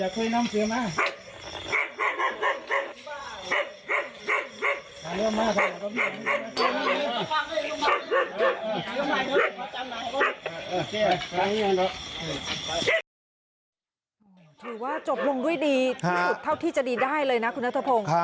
ถือว่าจบลงด้วยดีที่สุดเท่าที่จะดีได้เลยนะคุณนัทพงศ์